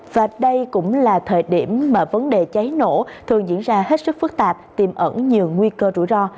và đây cũng là thời điểm mà vấn đề cháy nổ thường diễn ra hết sức phức tạp tiềm ẩn nhiều nguy cơ rủi ro